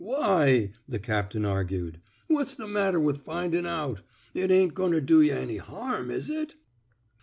Why? V the captain argued. What's the matter with findin' out? It ain't goin' to do y' any harm, is it?